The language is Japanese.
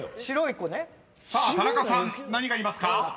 ［さあ田中さん何がいますか？］